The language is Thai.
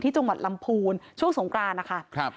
จังหวัดลำพูนช่วงสงกรานนะคะ